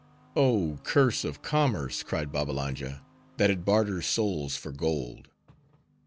"Oh curse of commerce!" cried Babbalanja, "that it barters souls for gold.